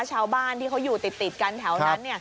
ชาวบ้านที่เขาอยู่ติดกันแถวนั้น